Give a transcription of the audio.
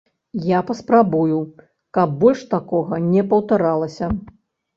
Я паспрабую, каб больш такога не паўтаралася.